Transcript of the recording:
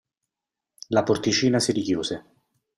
La porticina si richiuse.